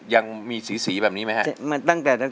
ยังมีสีแบบนี้ไหมครับ